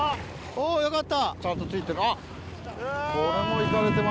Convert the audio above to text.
およかった。